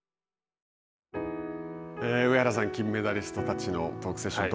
上原さん、金メダリストたちのトークセッション